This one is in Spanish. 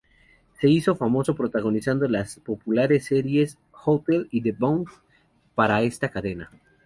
Se hizo famoso protagonizando las populares series "Hotel" y "The Bund", para esta cadena.